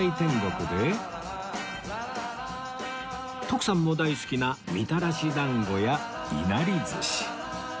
徳さんも大好きなみたらし団子やいなり寿司